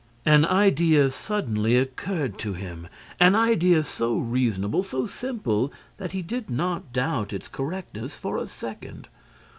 An idea suddenly occurred to him, an idea so reasonable, so simple that he did not doubt its correctness for a second.